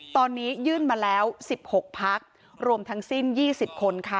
ตอนนี้ยื่นมาแล้ว๑๖พักรวมทั้งสิ้น๒๐คนค่ะ